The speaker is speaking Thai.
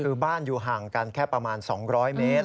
คือบ้านอยู่ห่างกันแค่ประมาณ๒๐๐เมตร